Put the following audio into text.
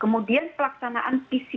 kemudian pelaksanaan pcr nya